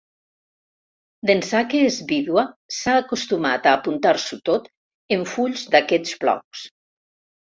D'ençà que és vídua s'ha acostumat a apuntar-s'ho tot en fulls d'aquests blocs.